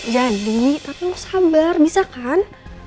jadi tapi lo sabar bisa kan